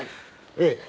ええ。